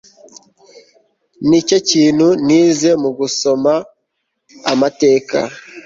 Nicyo kintu nize mugusoma amateka